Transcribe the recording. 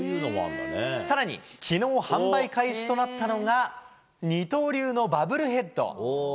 さらに、きのう販売開始となったのが、二刀流のバブルヘッド。